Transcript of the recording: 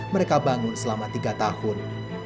mereka bangun selama tiga tahun